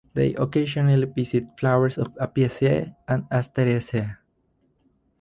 They occasionally visit flowers of Apiaceae and Asteraceae.